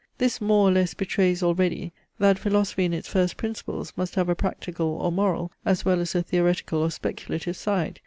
This more or less betrays already, that philosophy in its first principles must have a practical or moral, as well as a theoretical or speculative side.